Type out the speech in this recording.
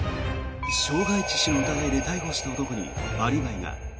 傷害致死の疑いで逮捕した男にアリバイが。